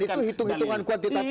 dan itu hitung hitungan kuantitatif